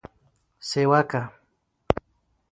سیوکه: